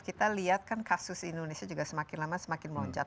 kita lihat kan kasus indonesia juga semakin lama semakin meloncat